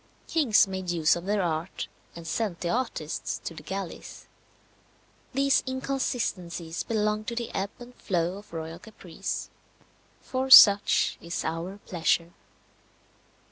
Kings made use of their art, and sent the artists to the galleys. These inconsistencies belong to the ebb and flow of royal caprice. "For such is our pleasure."